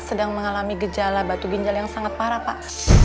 sedang mengalami gejala batu ginjal yang sangat parah pak